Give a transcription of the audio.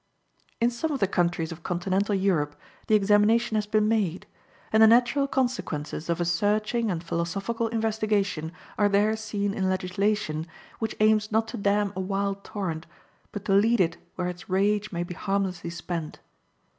In some of the countries of Continental Europe the examination has been made, and the natural consequences of a searching and philosophical investigation are there seen in legislation, which aims not to dam a wild torrent, but to lead it where its rage may be harmlessly spent.